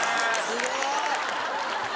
・すごい！